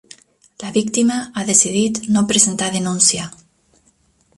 La víctima ha decidit no presentar denúncia